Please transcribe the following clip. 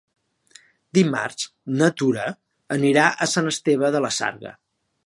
Dimarts na Tura anirà a Sant Esteve de la Sarga.